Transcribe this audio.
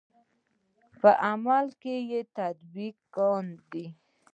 په عمل کې یې تطبیق کاندئ.